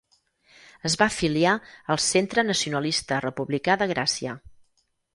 Es va afiliar al Centre Nacionalista Republicà de Gràcia.